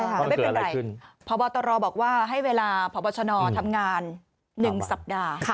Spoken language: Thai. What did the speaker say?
แต่ไม่เป็นไรพบตรบอกว่าให้เวลาพบชนทำงาน๑สัปดาห์